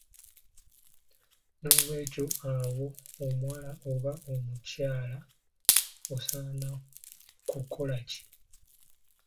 N'olwekyo awo omuwala oba omukyala osaana kukola ki?